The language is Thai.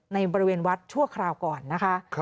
ในบริเวณวัดชั่วคราวก่อนนะคะ